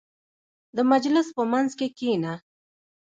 • د مجلس په منځ کې کښېنه.